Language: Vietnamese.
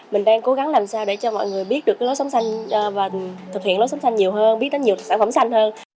mình đang cố gắng làm sao để cho mọi người biết được lối sống xanh và thực hiện lối sống xanh nhiều hơn biết đến nhiều sản phẩm xanh hơn